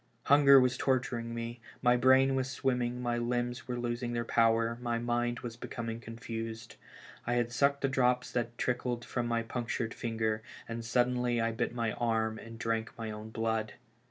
Hunger was torturing me, my brain was swimming, my limbs were losing their power, my mind was becoming confused. I had sucked the drops that trickled from my punctured finger, and suddenly I bit my arm and drank my own blood